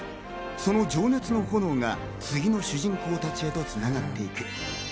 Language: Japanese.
その情熱の炎が次の主人公たちへと繋がっていく。